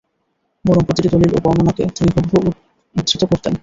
বরং প্রতিটি দলীল ও বর্ণনাকে তিনি হুবহু উদ্ধৃত করতেন।